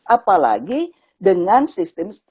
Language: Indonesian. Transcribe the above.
apalagi dengan sistem